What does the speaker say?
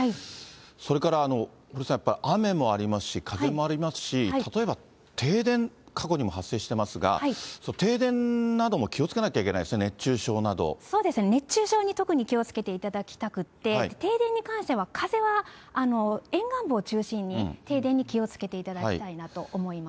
それから堀さん、やっぱり雨もありますし、風もありますし、例えば停電、過去にも発生していますが、停電なども気をつけなきゃいそうですね、熱中症に特に気をつけていただきたくって、停電に関しては風は沿岸部を中心に停電に気をつけていただきたいなと思います。